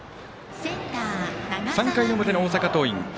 ３回の表の大阪桐蔭。